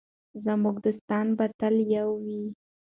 زموږ دوستان به تل یو وي.